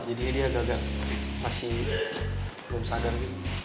jadi dia agak agak masih belum sadar gitu